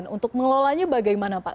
untuk mengelolanya bagaimana pak